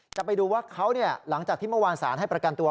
จะไปดูว่าเขาหลังจากที่เมื่อวานสารให้ประกันตัว